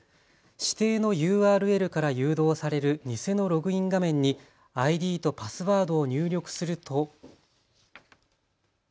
指定のＵＲＬから誘導される偽のログイン画面にＩＤとパスワードを入力すると。